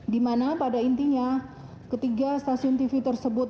dimana pada intinya ketiga stasiun tv tersebut